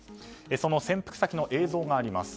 その潜伏先の映像があります。